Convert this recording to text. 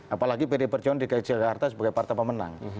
apalagi pd perjuangan dki jakarta sebagai partai pemenang